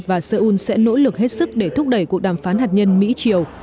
và seoul sẽ nỗ lực hết sức để thúc đẩy cuộc đàm phán hạt nhân mỹ triều